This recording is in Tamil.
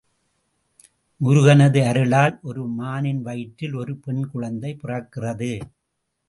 முருகனது அருளால் ஒரு மானின் வயிற்றில் ஒரு பெண் குழந்தை பிறக்கிறது.